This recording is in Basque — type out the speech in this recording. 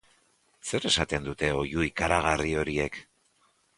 Zer esaten dute oihu ikaragarri horiek?